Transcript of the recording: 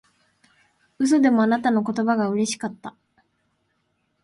嘘でもあなたの言葉がうれしかった